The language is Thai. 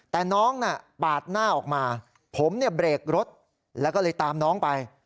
แต่น้องน่ะปาดหน้าออกมาผมเนี่ยเบรกรถแล้วก็เลยตามน้องไป